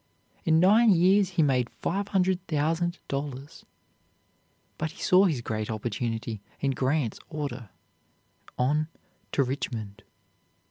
In nine years he made five hundred thousand dollars. But he saw his great opportunity in Grant's order, "On to Richmond."